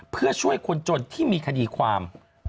เพื่อช่วยคนจนที่มีคดีความ